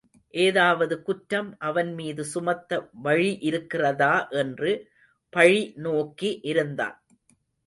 ஏதாவது குற்றம் அவன் மீது சுமத்த வழி இருக்கிறதா என்று பழி நோக்கி இருந்தான்.